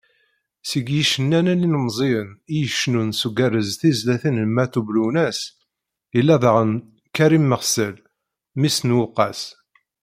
Seg yicennayen ilemẓiyen i icennun s ugerrez tizlatin n Meɛtub Lwennas, yella daɣen Karim Mersel, mmi-s n Uweqqas.